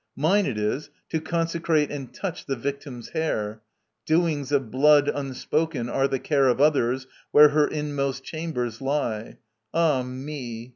Mine it is To consecrate and touch the victim's hair; Doings of blood unspoken are the care Of others, where her inmost chambers lie. Ah me!